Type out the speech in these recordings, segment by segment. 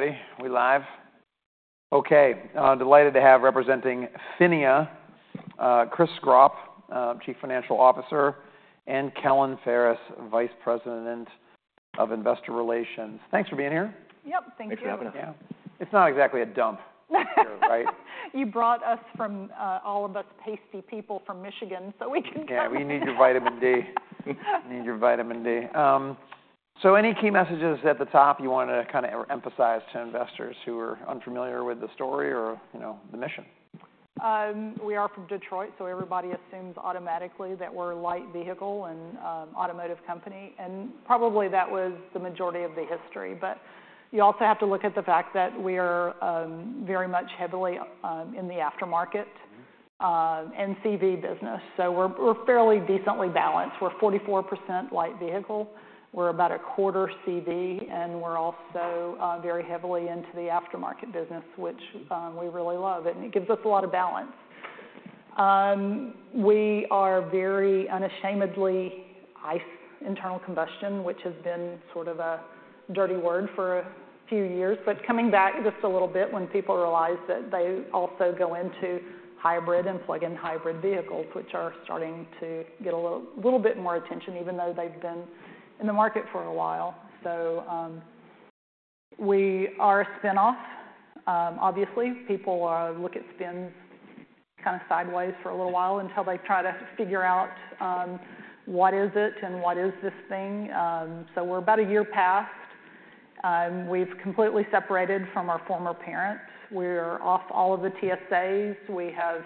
Are we ready? Are we live? Okay, delighted to have, representing PHINIA, Chris Gropp, Chief Financial Officer, and Kellen Ferris Vice President of Investor Relations. Thanks for being here. Yep, thank you. Thanks for having us. Yeah. It's not exactly a dump here, right? You brought us from all of us pasty people from Michigan, so we can come. Yeah, we need your vitamin D. We need your vitamin D. So any key messages at the top you wanna kind of emphasize to investors who are unfamiliar with the story or, you know, the mission? We are from Detroit, so everybody assumes automatically that we're a light vehicle and automotive company, and probably that was the majority of the history. But you also have to look at the fact that we are very much heavily in the aftermarket- Mm-hmm and CV business. So we're fairly decently balanced. We're 44% light vehicle, we're about a quarter CV, and we're also very heavily into the aftermarket business, which we really love, and it gives us a lot of balance. We are very unashamedly ICE internal combustion, which has been sort of a dirty word for a few years, but it's coming back just a little bit when people realize that they also go into hybrid and plug-in hybrid vehicles, which are starting to get a little bit more attention, even though they've been in the market for a while. So we are a spinoff. Obviously, people look at spins kind of sideways for a little while until they try to figure out what is it and what is this thing. So we're about a year past. We've completely separated from our former parent. We're off all of the TSAs. We have ...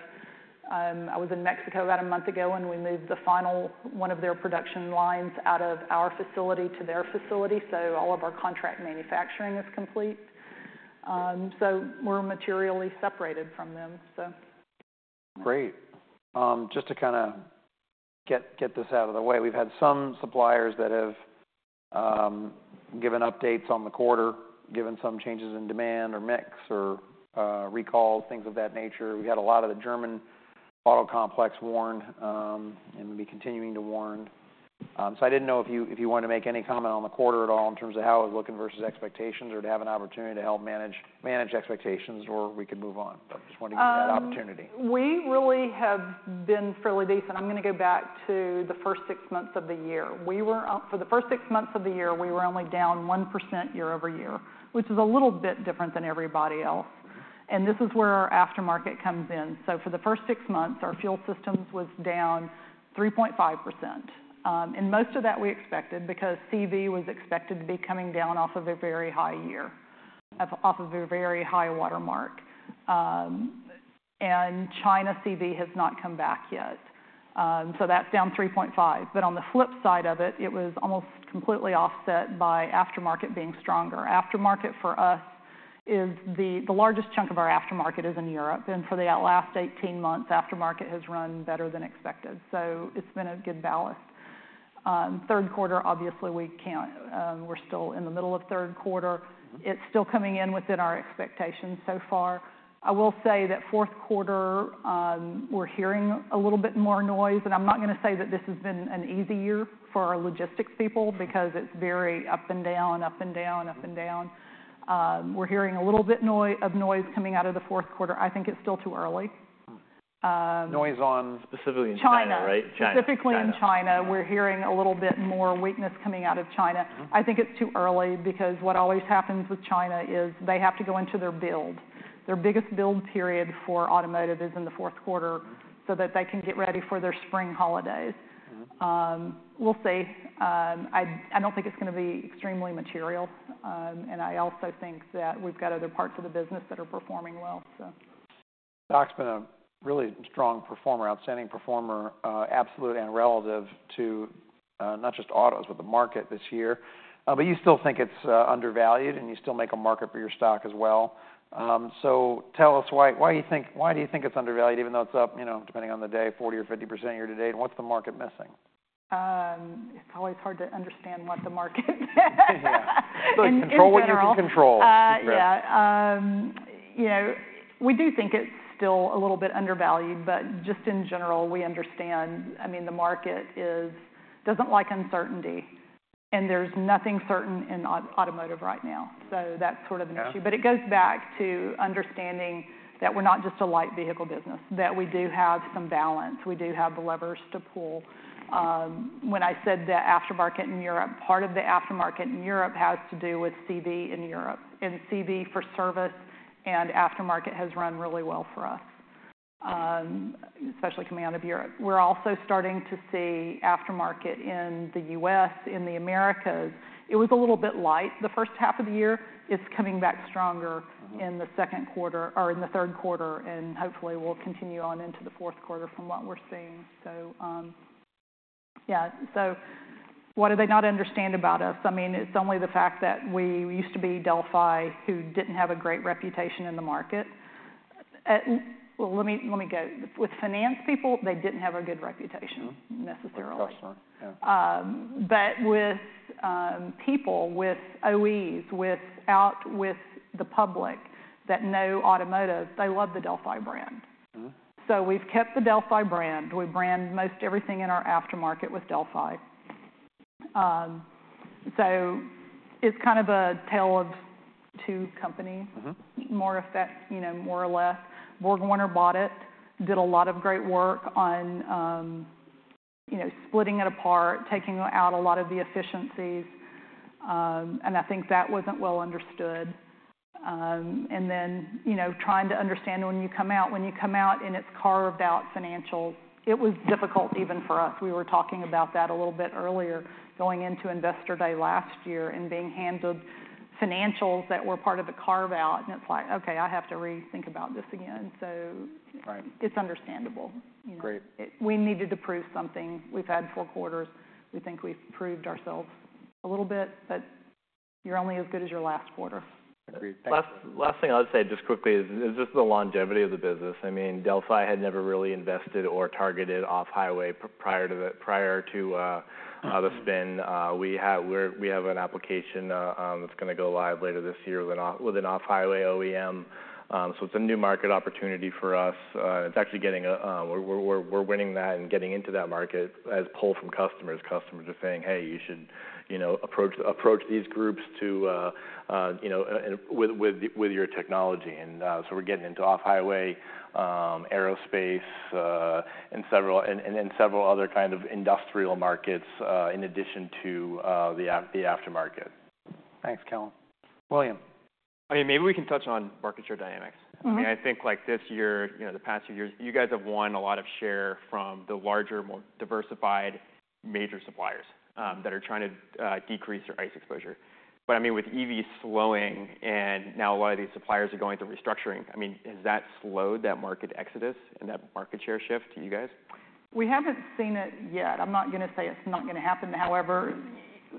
I was in Mexico about a month ago, and we moved the final one of their production lines out of our facility to their facility, so all of our contract manufacturing is complete. So we're materially separated from them, so. Great. Just to kind of get this out of the way, we've had some suppliers that have given updates on the quarter, given some changes in demand or mix or recalls, things of that nature. We had a lot of the German auto complex warn and will be continuing to warn. So I didn't know if you wanted to make any comment on the quarter at all in terms of how it was looking versus expectations, or to have an opportunity to help manage expectations, or we could move on. But I just wanted to give you that opportunity. We really have been fairly decent. I'm gonna go back to the first six months of the year. We were, for the first six months of the year, we were only down 1% year over year, which is a little bit different than everybody else. Mm-hmm. And this is where our aftermarket comes in. So for the first six months, our fuel systems was down 3.5%. And most of that we expected because CV was expected to be coming down off of a very high year, off of a very high watermark. And China CV has not come back yet. So that's down 3.5%. But on the flip side of it, it was almost completely offset by aftermarket being stronger. Aftermarket, for us, is the... The largest chunk of our aftermarket is in Europe, and for the at last eighteen months, aftermarket has run better than expected. So it's been a good balance. Third quarter, obviously, we're still in the middle of third quarter. Mm-hmm. It's still coming in within our expectations so far. I will say that fourth quarter, we're hearing a little bit more noise, and I'm not gonna say that this has been an easy year for our logistics people because it's very up and down, up and down, up and down. Mm-hmm. We're hearing a little bit of noise coming out of the fourth quarter. I think it's still too early. Specifically in China. China... right? China. Specifically in China. China. We're hearing a little bit more weakness coming out of China. Mm-hmm. I think it's too early because what always happens with China is they have to go into their build. Their biggest build period for automotive is in the fourth quarter. Mm-hmm... so that they can get ready for their spring holidays. Mm-hmm. We'll see. I don't think it's gonna be extremely material, and I also think that we've got other parts of the business that are performing well, so. Stock's been a really strong performer, outstanding performer, absolute and relative to, not just autos, but the market this year, but you still think it's undervalued, and you still make a market for your stock as well. So tell us why you think it's undervalued even though it's up, you know, depending on the day, 40% or 50% year to date, and what's the market missing? It's always hard to understand what the market... Yeah. In general. So control what you can control. Yeah. You know, we do think it's still a little bit undervalued, but just in general, we understand. I mean, the market doesn't like uncertainty, and there's nothing certain in automotive right now, so that's sort of an issue. Yeah. But it goes back to understanding that we're not just a light vehicle business, that we do have some balance, we do have levers to pull. When I said that aftermarket in Europe, part of the aftermarket in Europe has to do with CV in Europe, and CV for service and aftermarket has run really well for us, especially coming out of Europe. We're also starting to see aftermarket in the U.S., in the Americas. It was a little bit light the first half of the year. It's coming back stronger- Mm-hmm... in the second quarter, or in the third quarter, and hopefully will continue on into the fourth quarter from what we're seeing. So, yeah, so what do they not understand about us? I mean, it's only the fact that we used to be Delphi, who didn't have a great reputation in the market. Well, let me go. With finance people, they didn't have a good reputation- Mm-hmm... necessarily. For sure, yeah. But with people, with OEs, with the public that know automotive, they love the Delphi brand. Mm-hmm. So we've kept the Delphi brand. We brand most everything in our aftermarket with Delphi... So it's kind of a tale of two companies. Mm-hmm. More effect, you know, more or less. BorgWarner bought it, did a lot of great work on, you know, splitting it apart, taking out a lot of the efficiencies, and I think that wasn't well understood. And then, you know, trying to understand when you come out and it's carved out financials, it was difficult even for us. We were talking about that a little bit earlier, going into Investor Day last year and being handed financials that were part of the carve-out, and it's like: Okay, I have to rethink about this again. So- Right. It's understandable. Great. We needed to prove something. We've had four quarters. We think we've proved ourselves a little bit, but you're only as good as your last quarter. Agreed. Last, last thing I'll say, just quickly, is just the longevity of the business. I mean, Delphi had never really invested or targeted off-highway prior to the spin. We have an application that's gonna go live later this year with an off-highway OEM. So it's a new market opportunity for us. It's actually getting. We're winning that and getting into that market as pull from customers. Customers are saying, "Hey, you should, you know, approach these groups to, you know, with your technology." And so we're getting into off-highway, aerospace, and several other kind of industrial markets, in addition to the aftermarket. Thanks, Kellen. William? I mean, maybe we can touch on market share dynamics. Mm-hmm. I mean, I think, like, this year, you know, the past few years, you guys have won a lot of share from the larger, more diversified major suppliers, that are trying to, decrease their ICE exposure. But, I mean, with EVs slowing and now a lot of these suppliers are going through restructuring, I mean, has that slowed that market exodus and that market share shift to you guys? We haven't seen it yet. I'm not gonna say it's not gonna happen. However,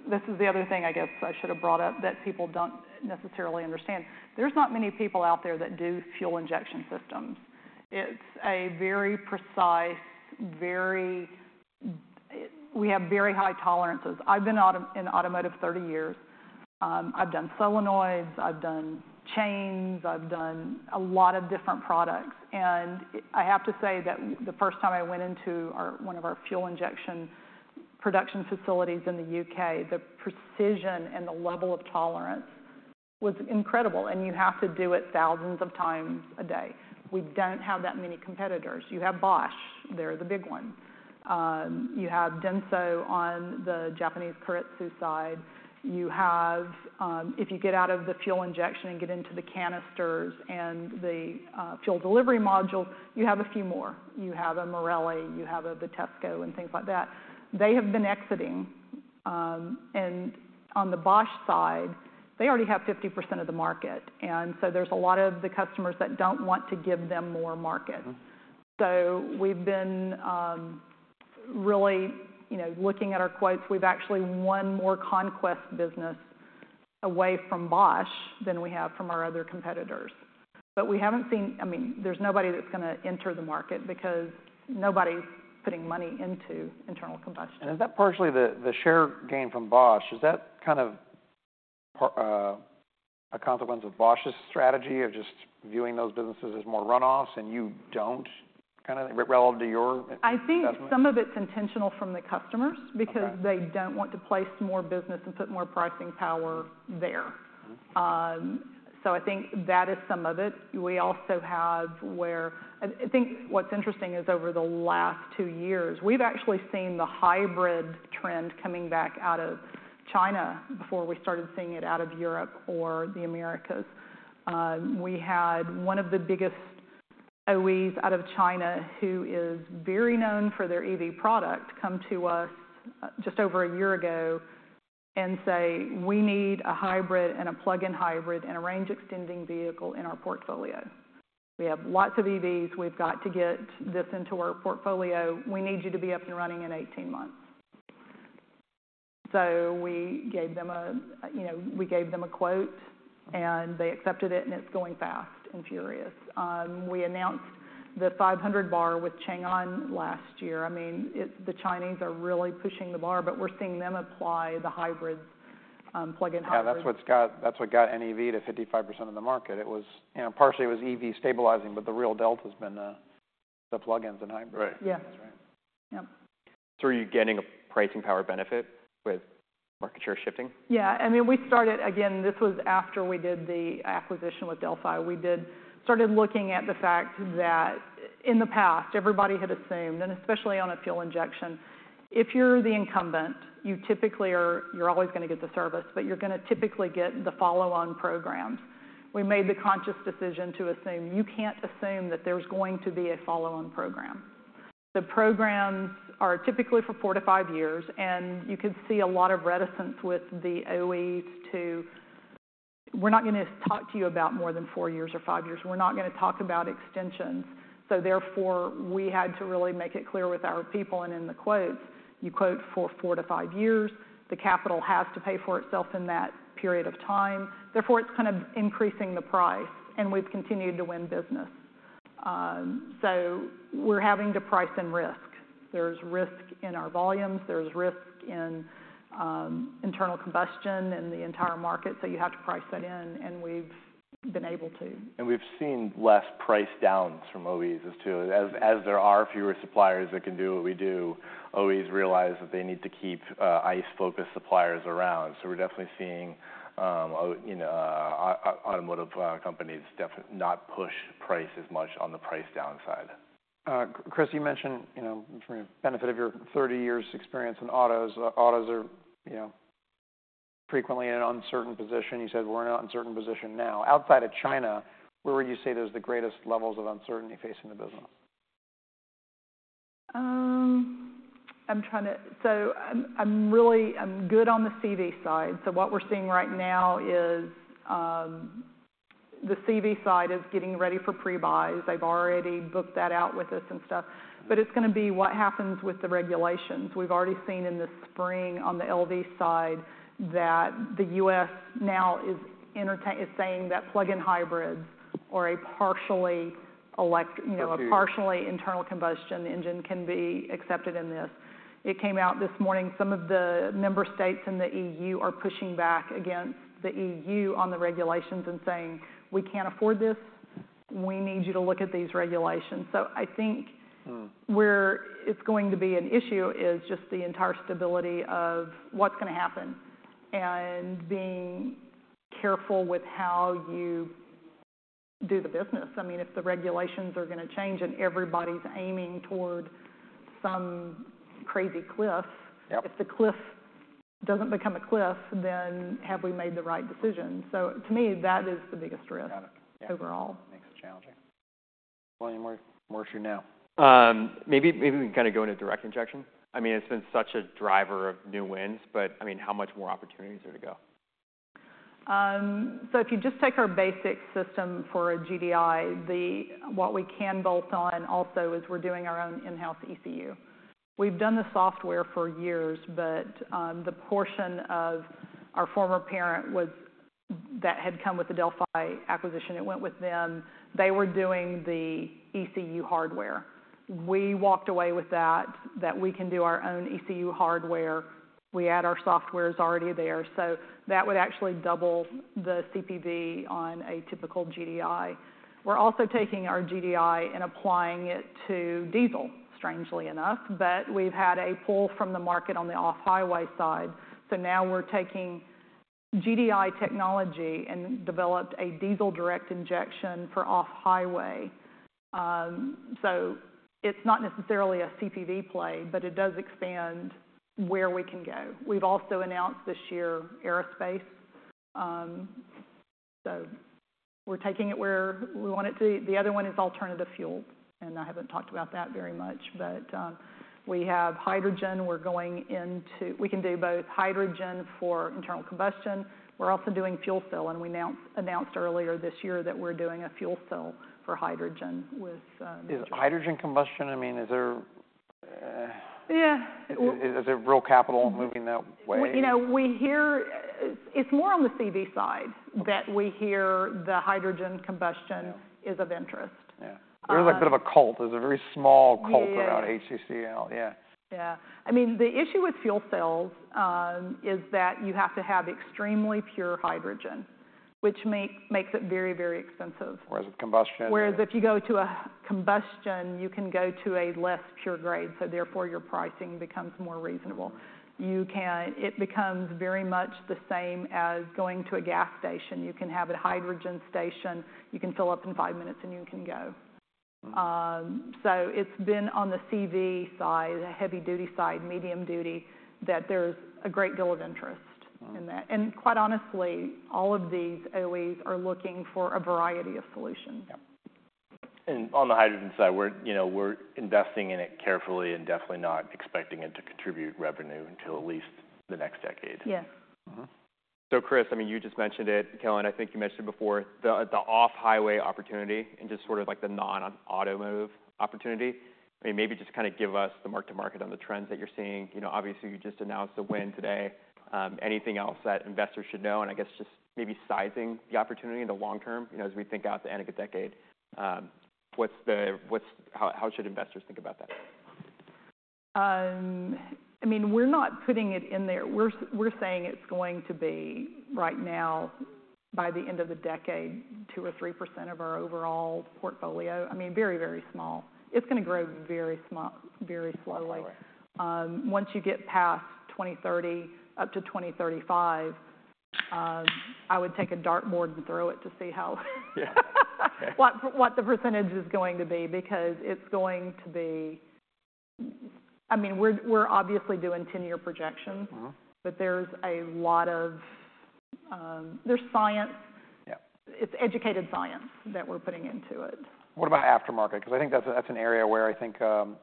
this is the other thing I guess I should have brought up, that people don't necessarily understand. There's not many people out there that do fuel injection systems. It's a very precise, very... We have very high tolerances. I've been in automotive thirty years. I've done solenoids, I've done chains, I've done a lot of different products, and I have to say that the first time I went into our, one of our fuel injection production facilities in the U.K., the precision and the level of tolerance was incredible, and you have to do it thousands of times a day. We don't have that many competitors. You have Bosch. They're the big one. You have Denso on the Japanese Keiretsu side. You have, if you get out of the fuel injection and get into the canisters and the fuel delivery module, you have a few more. You have a Marelli, you have a Vitesco, and things like that. They have been exiting, and on the Bosch side, they already have 50% of the market, and so there's a lot of the customers that don't want to give them more market. Mm-hmm. So we've been really, you know, looking at our quotes. We've actually won more conquest business away from Bosch than we have from our other competitors. But we haven't seen... I mean, there's nobody that's gonna enter the market because nobody's putting money into internal combustion. Is that partially the share gain from Bosch? Is that kind of a consequence of Bosch's strategy of just viewing those businesses as more runoffs, and you don't kind of relevant to your assessment? I think some of it's intentional from the customers- Okay... because they don't want to place more business and put more pricing power there. Mm-hmm. So I think that is some of it. We also have. I think what's interesting is over the last two years, we've actually seen the hybrid trend coming back out of China before we started seeing it out of Europe or the Americas. We had one of the biggest OEs out of China, who is very known for their EV product, come to us just over a year ago and say: We need a hybrid and a plug-in hybrid and a range-extending vehicle in our portfolio. We have lots of EVs. We've got to get this into our portfolio. We need you to be up and running in 18 months. So we gave them a, you know, we gave them a quote, and they accepted it, and it's going fast and furious. We announced the 500 bar with Changan last year. I mean, the Chinese are really pushing the bar, but we're seeing them apply the hybrid, plug-in hybrid. Yeah, that's what got NEV to 55% of the market. It was, you know, partially it was EV stabilizing, but the real delta has been the plug-ins and hybrids. Right. Yeah. That's right. Yep. So are you getting a pricing power benefit with market share shifting? Yeah, I mean, we started. Again, this was after we did the acquisition with Delphi. We started looking at the fact that in the past, everybody had assumed, and especially on a fuel injection, if you're the incumbent, you typically you're always gonna get the service, but you're gonna typically get the follow-on programs. We made the conscious decision to assume you can't assume that there's going to be a follow-on program. The programs are typically for four to five years, and you could see a lot of reticence with the OEs to: "We're not gonna talk to you about more than four years or five years. We're not gonna talk about extensions." So therefore, we had to really make it clear with our people and in the quotes, you quote for four to five years. The capital has to pay for itself in that period of time. Therefore, it's kind of increasing the price, and we've continued to win business. So we're having to price in risk. There's risk in our volumes, there's risk in internal combustion in the entire market, so you have to price that in, and we've been able to. We've seen less price downs from OEs as there are fewer suppliers that can do what we do. OEs realize that they need to keep ICE-focused suppliers around. So we're definitely seeing, you know, automotive companies definitely not push price as much on the price downside. Chris, you mentioned, you know, from the benefit of your 30 years experience in autos, you know, autos are frequently in an uncertain position. You said we're in an uncertain position now. Outside of China, where would you say there's the greatest levels of uncertainty facing the business? I'm good on the CV side, so what we're seeing right now is the CV side is getting ready for pre-buys. They've already booked that out with us and stuff, but it's gonna be what happens with the regulations. We've already seen in the spring on the LV side that the U.S. now is saying that plug-in hybrids or a partially elect- You know, a partially internal combustion engine can be accepted in this. It came out this morning, some of the member states in the EU are pushing back against the EU on the regulations and saying, "We can't afford this. We need you to look at these regulations." So I think- Mm... where it's going to be an issue is just the entire stability of what's gonna happen, and being careful with how you do the business. I mean, if the regulations are gonna change, and everybody's aiming toward some crazy cliff- Yep... if the cliff doesn't become a cliff, then have we made the right decision? So to me, that is the biggest risk- Got it. Overall. Makes it challenging. William, where, where should we now? Maybe, maybe we can kind of go into direct injection. I mean, it's been such a driver of new wins, but, I mean, how much more opportunities are to go? So if you just take our basic system for a GDI, what we can bolt on also is we're doing our own in-house ECU. We've done the software for years, but the portion of our former parent was that had come with the Delphi acquisition, it went with them. They were doing the ECU hardware. We walked away with that we can do our own ECU hardware. We add our software is already there, so that would actually double the CPV on a typical GDI. We're also taking our GDI and applying it to diesel, strangely enough, but we've had a pull from the market on the off-highway side. So now we're taking GDI technology and developed a diesel direct injection for off-highway, so it's not necessarily a CPV play, but it does expand where we can go. We've also announced this year, aerospace. So we're taking it where we want it to. The other one is alternative fuel, and I haven't talked about that very much, but we have hydrogen. We're going into... We can do both hydrogen for internal combustion. We're also doing fuel cell, and we announced earlier this year that we're doing a fuel cell for hydrogen with Is hydrogen combustion? I mean, is there Yeah, it w- Is there real capital moving that way? We, you know, it's more on the CV side that we hear the hydrogen combustion- Yeah... is of interest. Yeah. Um- There's a bit of a cult. There's a very small cult- Yeah... around HCCL. Yeah. Yeah. I mean, the issue with fuel cells is that you have to have extremely pure hydrogen, which makes it very, very expensive. Whereas with combustion- Whereas if you go to a combustion, you can go to a less pure grade, so therefore, your pricing becomes more reasonable. It becomes very much the same as going to a gas station. You can have a hydrogen station, you can fill up in five minutes, and you can go. Mm. So it's been on the CV side, the heavy-duty side, medium duty, that there's a great deal of interest- Mm... in that. And quite honestly, all of these OEs are looking for a variety of solutions. Yep. On the hydrogen side, we're, you know, we're investing in it carefully and definitely not expecting it to contribute revenue until at least the next decade. Yes. Mm-hmm. So Chris, I mean, you just mentioned it, and Kellen, I think you mentioned it before, the off-highway opportunity and just sort of like the non-automotive opportunity. I mean, maybe just kind of give us the mark-to-market on the trends that you're seeing. You know, obviously, you just announced the win today. Anything else that investors should know? And I guess just maybe sizing the opportunity in the long term, you know, as we think out the end of the decade, what's... what's... How should investors think about that? I mean, we're not putting it in there. We're saying it's going to be, right now, by the end of the decade, 2%-3% of our overall portfolio. I mean, very, very small. It's gonna grow very small, very slowly. Right. Once you get past twenty thirty up to twenty thirty-five, I would take a dartboard and throw it to see how. Yeah.... what the percentage is going to be, because it's going to be... I mean, we're obviously doing ten-year projections. Mm-hmm. But there's a lot of... There's science. Yeah. It's educated science that we're putting into it. What about aftermarket? Because I think that's a, that's an area where I think,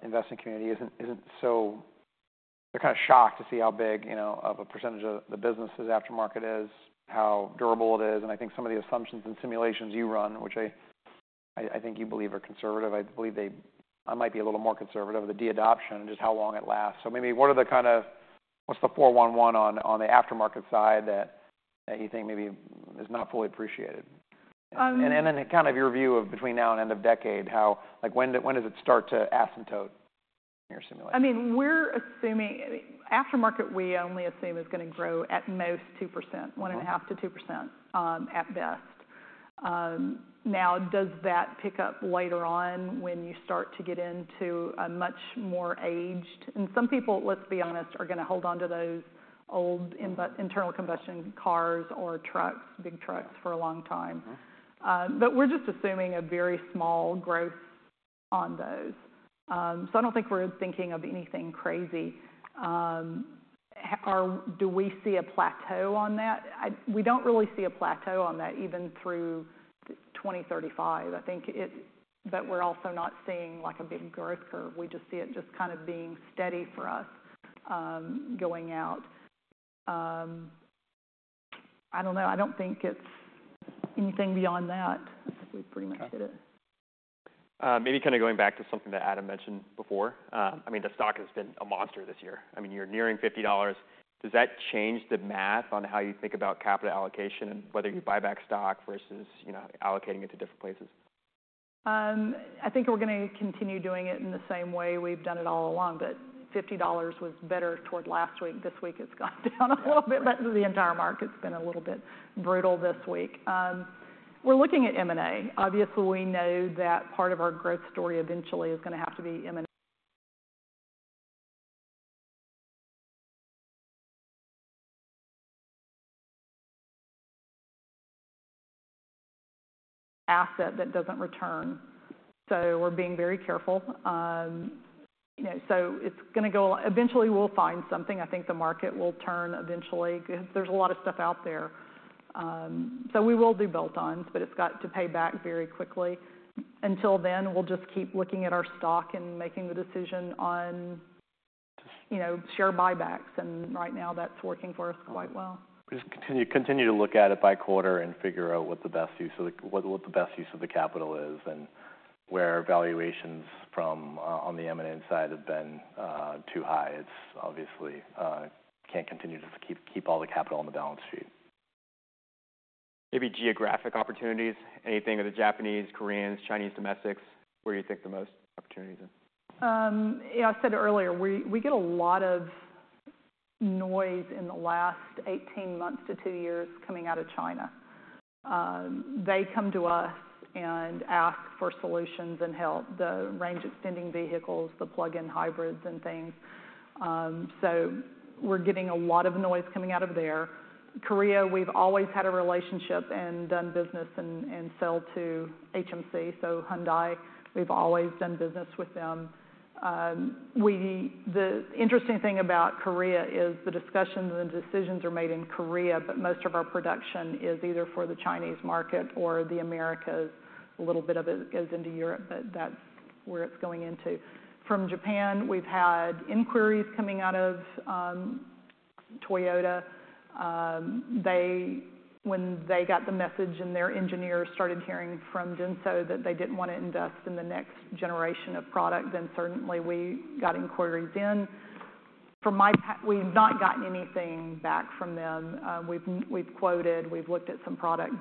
investing community isn't so... They're kind of shocked to see how big, you know, of a percentage of the business's aftermarket is, how durable it is, and I think some of the assumptions and simulations you run, which I think you believe are conservative. I believe they... I might be a little more conservative of the de-adoption and just how long it lasts. So maybe what are the kind of-- what's the four-one-one on, on the aftermarket side that you think maybe is not fully appreciated? Um- And then kind of your view of between now and end of decade, how... Like, when does it start to asymptote?... I mean, we're assuming, aftermarket, we only assume is going to grow at most 2%, 1.5%-2%, at best. Now, does that pick up later on when you start to get into a much more aged, and some people, let's be honest, are going to hold on to those old internal combustion cars or trucks, big trucks, for a long time. Uh-huh. But we're just assuming a very small growth on those. So I don't think we're thinking of anything crazy. Do we see a plateau on that? We don't really see a plateau on that, even through twenty thirty-five. I think it... But we're also not seeing, like, a big growth curve. We just see it just kind of being steady for us, going out. I don't know. I don't think it's anything beyond that. I think we've pretty much hit it. Okay. Maybe kind of going back to something that Adam mentioned before. I mean, the stock has been a monster this year. I mean, you're nearing $50. Does that change the math on how you think about capital allocation and whether you buy back stock versus, you know, allocating it to different places? I think we're going to continue doing it in the same way we've done it all along, but $50 was better toward last week. This week, it's gone down a little bit, but the entire market's been a little bit brutal this week. We're looking at M&A. Obviously, we know that part of our growth story eventually is going to have to be M&A. Asset that doesn't return, so we're being very careful. You know, so it's going to go... Eventually, we'll find something. I think the market will turn eventually. There's a lot of stuff out there. So we will do bolt-ons, but it's got to pay back very quickly. Until then, we'll just keep looking at our stock and making the decision on, you know, share buybacks, and right now, that's working for us quite well. Just continue to look at it by quarter and figure out what the best use of the capital is and where valuations from, on the M&A side have been, too high. It's obviously can't continue to keep all the capital on the balance sheet. Maybe geographic opportunities, anything of the Japanese, Koreans, Chinese, domestics, where you think the most opportunity is in? Yeah, I said earlier, we get a lot of noise in the last 18 months to two years coming out of China. They come to us and ask for solutions and help, the range-extending vehicles, the plug-in hybrids and things. So we're getting a lot of noise coming out of there. Korea, we've always had a relationship and done business and sell to HMC, so Hyundai, we've always done business with them. The interesting thing about Korea is the discussions and decisions are made in Korea, but most of our production is either for the Chinese market or the Americas. A little bit of it goes into Europe, but that's where it's going into. From Japan, we've had inquiries coming out of Toyota. They... When they got the message and their engineers started hearing from Denso, that they didn't want to invest in the next generation of product, then certainly we got inquiries in. We've not gotten anything back from them. We've quoted, we've looked at some product.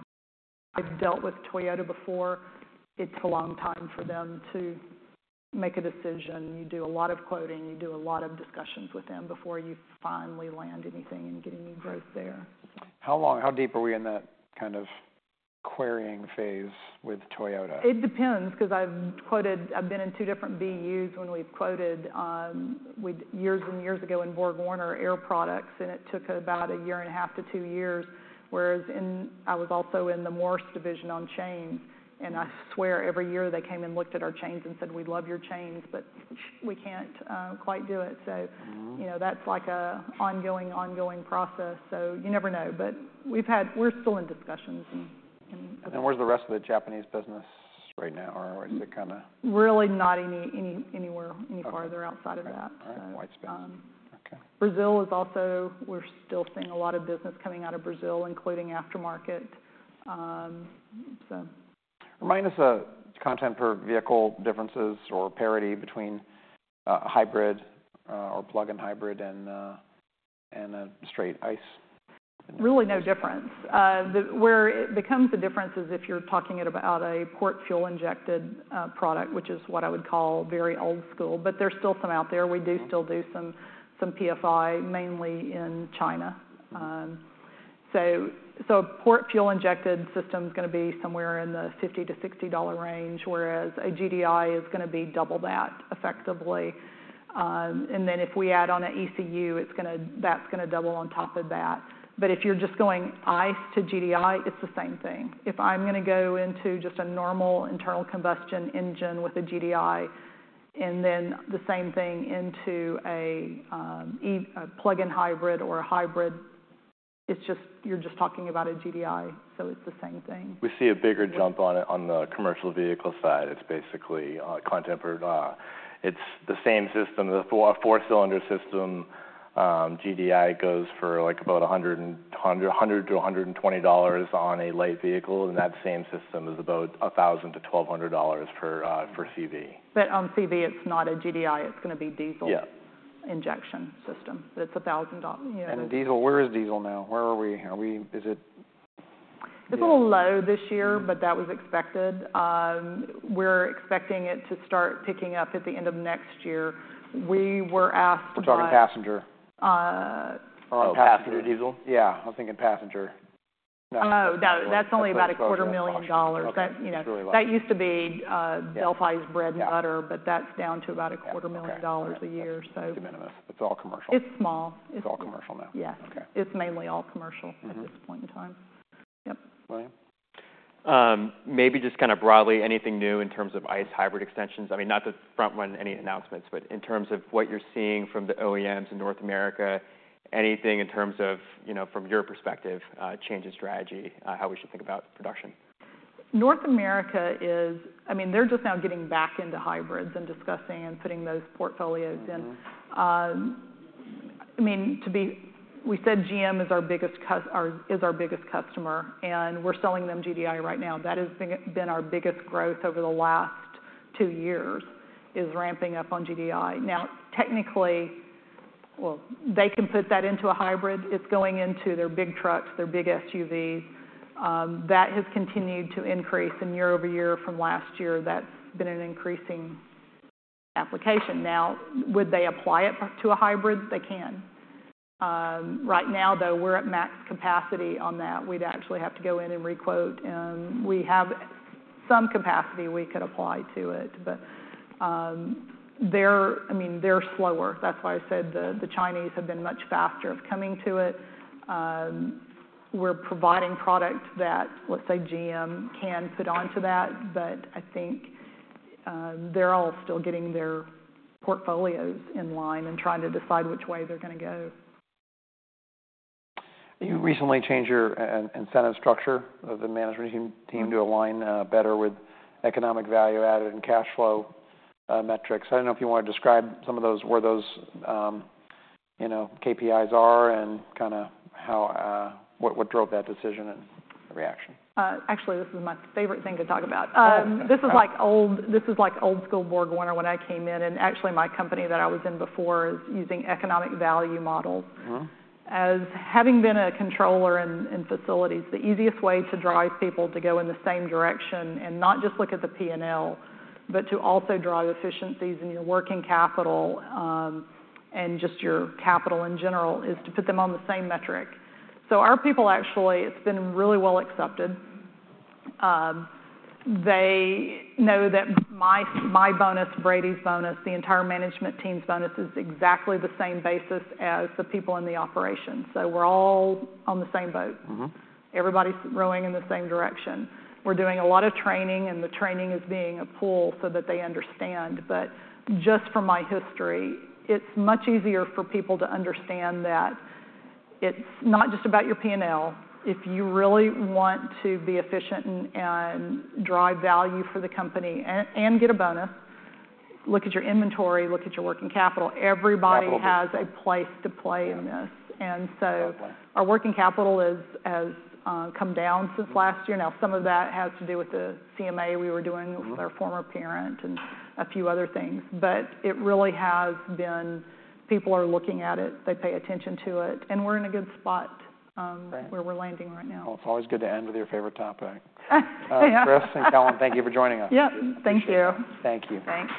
I've dealt with Toyota before. It's a long time for them to make a decision. You do a lot of quoting, you do a lot of discussions with them before you finally land anything and get any growth there. How deep are we in that kind of querying phase with Toyota? It depends, because I've quoted. I've been in two different BUs when we've quoted, with years and years ago in BorgWarner Air Products, and it took about a year and a half to two years, whereas I was also in the Morse division on chains, and I swear, every year, they came and looked at our chains and said, "We love your chains, but we can't quite do it. Mm-hmm. You know, that's like an ongoing process, so you never know. But we're still in discussions and. Where's the rest of the Japanese business right now? Or is it kind of- Really not any anywhere any farther. Okay outside of that. All right. White space. Um- Okay. Brazil is also, we're still seeing a lot of business coming out of Brazil, including aftermarket. Remind us of content per vehicle differences or parity between hybrid or plug-in hybrid and a straight ICE? Really no difference. Where it becomes a difference is if you're talking about a port fuel injected product, which is what I would call very old school, but there's still some out there. Mm-hmm. We do still do some PFI, mainly in China. Mm-hmm. So, a port fuel injected system is going to be somewhere in the $50-$60 range, whereas a GDI is going to be double that, effectively. And then, if we add on an ECU, it's gonna double on top of that. But if you're just going ICE to GDI, it's the same thing. If I'm going to go into just a normal internal combustion engine with a GDI, and then the same thing into a plug-in hybrid or a hybrid, you're just talking about a GDI, so it's the same thing. We see a bigger jump on it on the commercial vehicle side. It's basically content per. It's the same system. The four-cylinder system, GDI goes for, like, about $100-$120 on a light vehicle, and that same system is about $1,000-$1,200 per CV. But on CV, it's not a GDI, it's going to be diesel- Yeah Injection system. It's $1,000, yeah. Diesel, where is diesel now? Where are we? Is it-... It's a little low this year, but that was expected. We're expecting it to start picking up at the end of next year. We were asked about- We're talking passenger? Uh- Oh, passenger diesel? Yeah, I was thinking passenger. Oh, no, that's only about $250,000. Okay, it's really low. That, you know, that used to be, Delphi's bread and butter- Yeah - but that's down to about $250,000 a year, so. De minimis. It's all commercial. It's small. It's all commercial now. Yes. Okay. It's mainly all commercial- Mm-hmm at this point in time. Yep. William? Maybe just kind of broadly, anything new in terms of ICE hybrid extensions? I mean, not to frontrun any announcements, but in terms of what you're seeing from the OEMs in North America, anything in terms of, you know, from your perspective, change in strategy, how we should think about production? North America is. I mean, they're just now getting back into hybrids and discussing and putting those portfolios in. Mm-hmm. I mean, we said GM is our biggest customer, and we're selling them GDI right now. That has been our biggest growth over the last two years, is ramping up on GDI. Now, technically, well, they can put that into a hybrid. It's going into their big trucks, their big SUVs. That has continued to increase year-over-year from last year. That's been an increasing application. Now, would they apply it to a hybrid? They can. Right now, though, we're at max capacity on that. We'd actually have to go in and requote, and we have some capacity we could apply to it, but they're slower. That's why I said the Chinese have been much faster of coming to it. We're providing product that, let's say, GM can put onto that, but I think they're all still getting their portfolios in line and trying to decide which way they're gonna go. You recently changed your incentive structure of the management team. Mm-hmm -to align better with economic value added and cash flow metrics. I don't know if you wanna describe some of those, where those, you know, KPIs are and kinda how what drove that decision and the reaction. Actually, this is my favorite thing to talk about. This is like old-school BorgWarner when I came in, and actually, my company that I was in before is using economic value models. Uh-huh. As having been a controller in facilities, the easiest way to drive people to go in the same direction and not just look at the PNL, but to also drive efficiencies in your working capital, and just your capital in general, is to put them on the same metric. So our people, actually, it's been really well accepted. They know that my, my bonus, Brady's bonus, the entire management team's bonus, is exactly the same basis as the people in the operations. So we're all on the same boat. Mm-hmm. Everybody's rowing in the same direction. We're doing a lot of training, and the training is being a pull so that they understand, but just from my history, it's much easier for people to understand that it's not just about your PNL. If you really want to be efficient and, and drive value for the company and, and get a bonus, look at your inventory, look at your working capital. Capital. Everybody has a place to play in this. Yeah. And so- Okay... our working capital is, has, come down since last year. Now, some of that has to do with the CMA we were doing- Mm-hmm... with our former parent and a few other things, but it really has been... People are looking at it, they pay attention to it, and we're in a good spot. Great... where we're landing right now. It's always good to end with your favorite topic. Yeah. Chris and Kellen, thank you for joining us. Yep. Thank you. Thank you. Thanks.